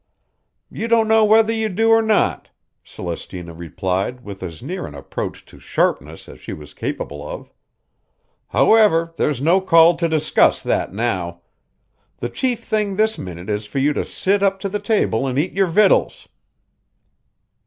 "You don't know whether you do or not," Celestina replied with as near an approach to sharpness as she was capable of. "However, there's no call to discuss that now. The chief thing this minute is for you to sit up to the table an' eat your victuals."